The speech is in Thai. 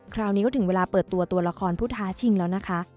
คราวนี้ก็ถึงเวลาเปิดตัวตัวละครผู้ท้าชิงแล้วนะคะ